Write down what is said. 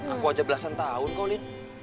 aku aja belasan tahun kok lin